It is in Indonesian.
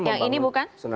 yang ini bukan